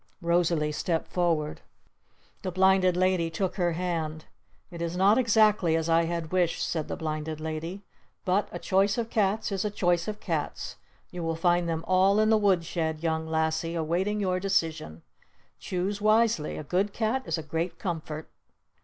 Rosalee stepped forward. The Blinded Lady took her hand. "It is not exactly as I had wished," said the Blinded Lady. "But a Choice of Cats is a Choice of Cats! You will find them all in the wood shed Young Lassie awaiting your decision! Choose wisely! A good cat is a great comfort!"